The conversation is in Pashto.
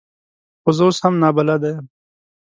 خو زه اوس هم نابلده یم .